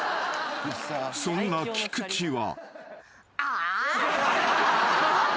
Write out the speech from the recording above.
［そんな菊地は］